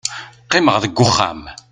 qqimeɣ deg uxxam